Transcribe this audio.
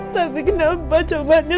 tapi kenapa jawabannya